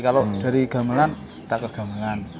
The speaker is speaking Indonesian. kalau dari gamelan kita ke gamelan